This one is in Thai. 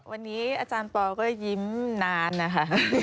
วันนี้อาจารย์ปอลก็ยิ้มนานนะคะ